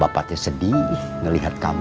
bapak sedih ngelihat kamu